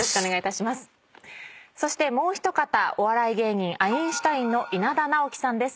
そしてもう一方お笑い芸人アインシュタインの稲田直樹さんです。